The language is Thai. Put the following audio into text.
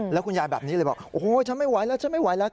แล้วคุณยายแบบนี้เลยบอกโอ้โหฉันไม่ไหวแล้วฉันไม่ไหวแล้ว